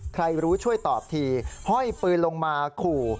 ใครรู้ช่วยตอบทีห้อยปืนลงมาขู่